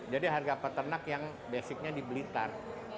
jadi harga peternak yang basicnya di beli tan